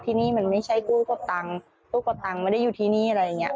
ที่นี่มันไม่ใช่กู้กระตังค์กู้กับตังค์ไม่ได้อยู่ที่นี่อะไรอย่างเงี้